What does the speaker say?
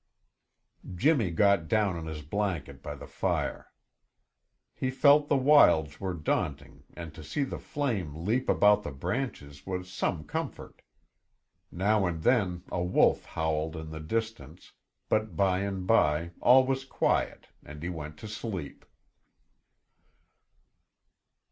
Jimmy got down on his blanket by the fire. He felt the wilds were daunting and to see the flame leap about the branches was some comfort. Now and then a wolf howled in the distance, but by and by all was quiet and he went to sleep.